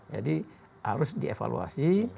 jadi harus dievaluasi